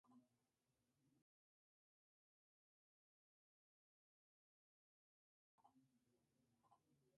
Esta biblioteca contiene funciones adicionales inspiradas en las funciones de Turbo Pascal.